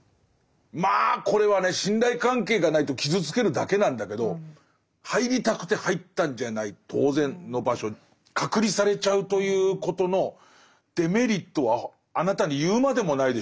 まあこれはね信頼関係がないと傷つけるだけなんだけど入りたくて入ったんじゃない当然の場所隔離されちゃうということのデメリットはあなたに言うまでもないでしょう。